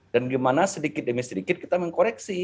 dan gimana sedikit demi sedikit kita mengkoreksi